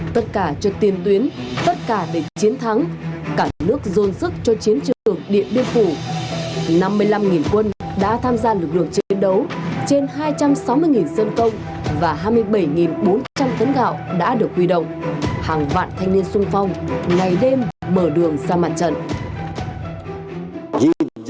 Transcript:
một mươi năm quân đã tham gia lực lượng chiến đấu trên hai trăm sáu mươi dân công và hai mươi bảy bốn trăm linh thấn gạo đã được huy động